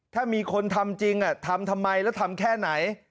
ถ้ามีคนทำจริงทำทำไมแล้วทำแค่ไหน